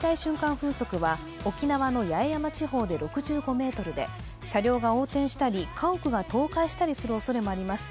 風速は沖縄の八重山地方で６５メートルで車両が横転したり家屋が倒壊したりするおそれもあります。